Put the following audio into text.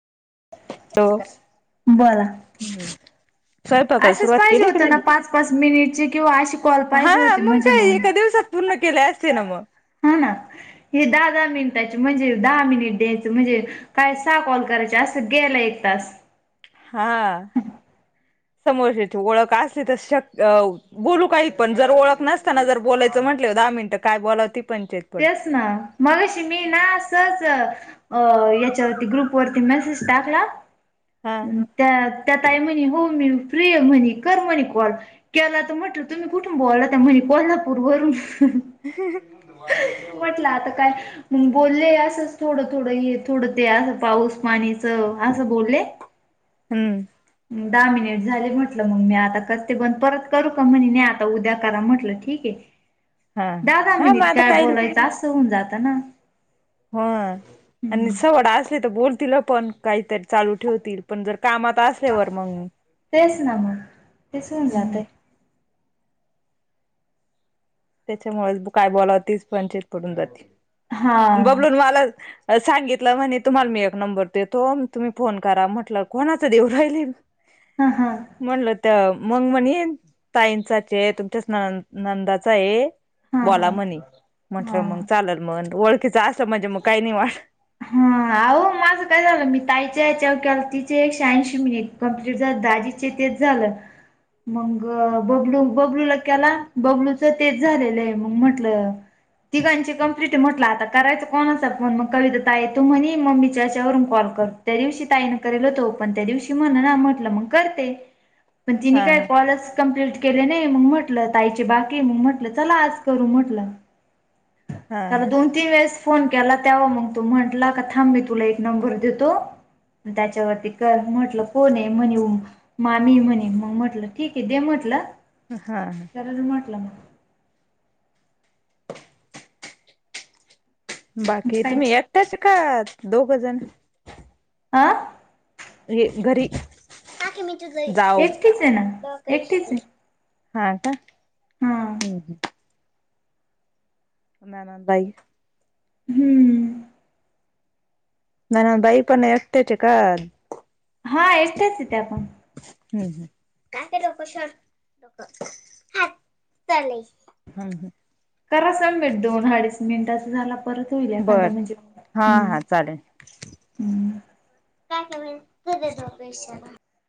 तव.. बोला. स्वयंपाकाला असंच सुरुवात पाहिजे केली की होतं ना नाही... पाच पाच मिनिटचे किंवा असे कॉल पाहिजे हां होते मंग म्हणजे काय मग एका दिवसात. पूर्ण केले असते ना म, हा ना हे दहा धा मिनिटाचे म्हणजे दहा मिनिट द्यायचं म्हणजे, कायसा कॉल करायचा अस गेलं एक तास. हा समोरची ओळख असली तर शक्य.. बोलू काही पण जर ओळख जर बोलायचं म्हटले दहा मिनिटं काय बोलाव ती पणच्यात... तेच ना.. मगशी मी ना सहज.. याच्यावरती ग्रुपवररती मेसेज टाकला. हा त्या त्यातई म्हने हो मी प्रिय म्हने कर म्हणे कॉल, केला तर म्हटलं तुम्ही कुठुं बोलाता म्हने कोल्हापूर वरून. ह... म्हटलं आता काय, मग बोलले असंच थोडं थोडं हे थोडं ते असं पाऊस पाणीच असं बोलले. हम्म दहा मिनिट झाले म्हटलं मग मी आता करते बण परत करू का म्हणे नाही आता उद्या करा म्हटलं ठीक आहे. हा दहा दहा हा मिनिट मता, काय बोलायचं असं होऊन जात ना. होय आणि हम्म सवड असले तर बोलतील पण काहीतरी चालू ठेवतील पण जर कामात असल्यावर मग. तेच ना मग तेचून हम्म जातय. त्याच्यामुळेच काय बोलावतीच पण त पडून जाते. हा बबलून मला, सांगितलं म्हणे तुम्हाला मी एक नंबर देतो. तुम्ही फोन करा म्हटलं कोणाचं देवू राहिल. हा हां. म्हणलं त्या मग म्हणे ताईंचाचे तुमच्याच न नंदाचा आहे. हा बोला हा म्हनी.. हा म्हंटलं मग चालल मग ओळखीच असं म्हणजे मग काही नाही वाट. हा अह माझं काय झालं मी ताईच्या ह्याच्यावर केला तिचे एकशे ऐंशी मिनिट. कंमप्लीट झा दाजीचे तेच झालं. मग बबलू बबलूला केला बबलूच तेच झालेलं आहे. मग म्हंटलं, तीघांची कंप्लीटी म्हटला करायचं कोणाचा फहोन असंण कविता. ता तू म्हणे मम्मीच्याच्यावरून कॉल कर दिवशी ताईनं करेल होतो. पण त्या दिवशी म्हण म्हटलं मग. करते. मण तिन हा काय हा कॉलच.. कंप्लीट केले नाही, मग म्हटलं ताईची बाकी मग म्हटलं चला आज करू म्हटलं. हा त्याला हा दोन तीन वेळेस फोन केला त्याव मग. तो म्हटला का थाम, मी तुला एक नंबर देतो त्याच्यावरती कर, म्हटलं कोण ये म्हणे ओम. माने म्हणे मग म्हटलं ठीक आहे, दे म्हटलं. हा हा. खरच म्हटलं. बाकी काय तुम्ही, येकटयाच आहे का दोघंजण? आं. हे, घरी जाऊ. एकटीच आहे ना एकटीच आहे [unintelligible] हा का? हा हू हू. नणंद हायि हुं. नणंद बाई पण एकटेच ये का? हा एकट्याच ये त्यापण. हुं. हात धुवालय. करा सबमिट. दोन अडीच मिनिटांचा झाला परत होईल बर एखांदा म्हणजे हा हुं. हा चालेल [inaudible]